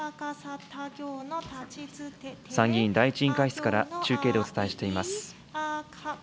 参議院第１委員会室から中継でお伝えしています。